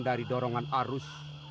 dari dorongan arus